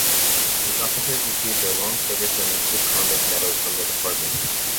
Its officers receive their long service and good conduct medals from the department.